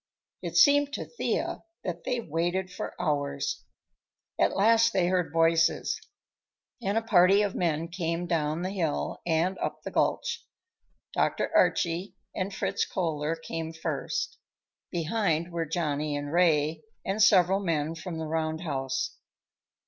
It seemed to Thea that they waited for hours. At last they heard voices, and a party of men came down the hill and up the gulch. Dr. Archie and Fritz Kohler came first; behind were Johnny and Ray, and several men from the roundhouse.